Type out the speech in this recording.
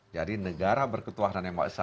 jadi negara berketuhanan yang maksa